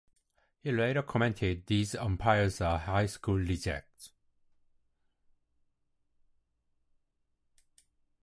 He later commented, These umpires are high school rejects.